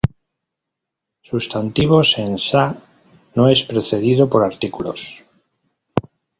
Sustantivos en Sa no es precedido por artículos.